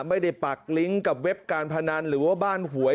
ปักลิงก์กับเว็บการพนันหรือว่าบ้านหวย